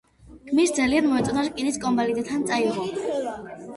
გმირს ძალიან მოეწონა რკინის კომბალი და თან წაიღო.